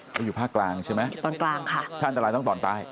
เขาอยู่ภาคกลางใช่ไหมอยู่ตอนกลางค่ะถ้าอันตรายต้องตอนใต้